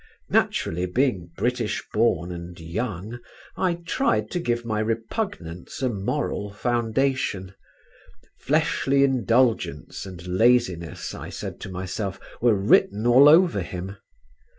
Naturally being British born and young I tried to give my repugnance a moral foundation; fleshly indulgence and laziness, I said to myself, were written all over him.